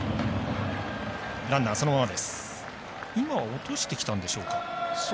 落としてきたんでしょうか。